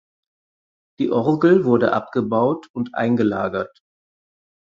Die Orgel wurde abgebaut und eingelagert.